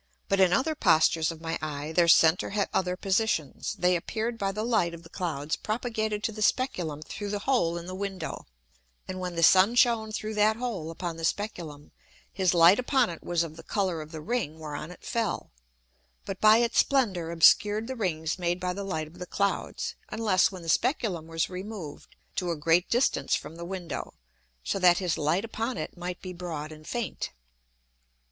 But in other postures of my Eye their center had other positions. They appear'd by the Light of the Clouds propagated to the Speculum through the hole in the Window; and when the Sun shone through that hole upon the Speculum, his Light upon it was of the Colour of the Ring whereon it fell, but by its splendor obscured the Rings made by the Light of the Clouds, unless when the Speculum was removed to a great distance from the Window, so that his Light upon it might be broad and faint.